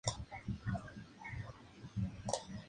Esta parte de España es la única donde se produce Lúpulo.